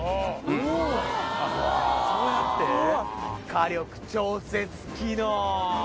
火力調節機能